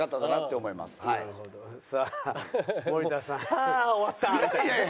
「はあ終わった」みたいな。